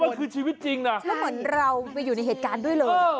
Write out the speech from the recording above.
มันคือชีวิตจริงนะแล้วเหมือนเราไปอยู่ในเหตุการณ์ด้วยเลย